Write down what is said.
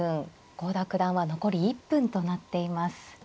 郷田九段は残り１分となっています。